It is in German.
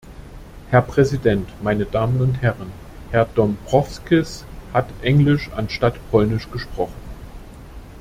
Herr Präsident, meine Damen und Herren! Herr Dombrovskis hat Englisch anstatt Polnisch gesprochen.